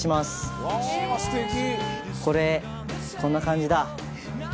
これこんな感じだ。